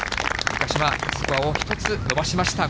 三ヶ島、スコアを１つ伸ばしました。